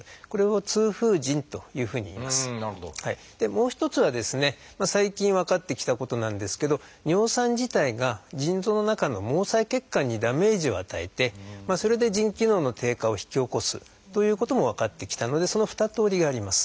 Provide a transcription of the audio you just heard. もう一つはですね最近分かってきたことなんですけど尿酸自体が腎臓の中の毛細血管にダメージを与えてそれで腎機能の低下を引き起こすということも分かってきたのでその二通りがあります。